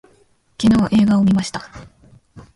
昨日映画を見ました